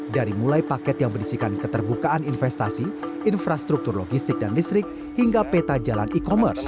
dari mulai paket yang berisikan keterbukaan investasi infrastruktur logistik dan listrik hingga peta jalan e commerce